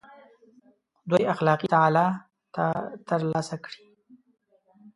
دوی اخلاقي تعالي تر لاسه کړي.